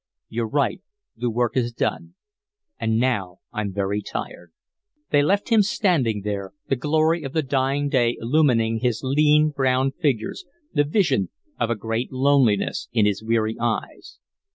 "You're right the work is done. And now, I'm very tired." They left him standing there, the glory of the dying day illumining his lean, brown features, the vision of a great loneliness in his weary eyes.